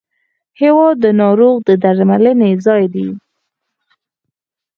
هېواد د ناروغ د درملنې ځای دی.